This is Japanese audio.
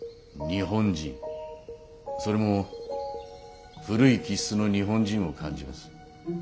それも古い気質の日本人を感じます。